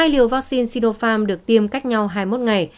hai liều vaccine sinopharm được tiêm cách nhau hai mươi một ngày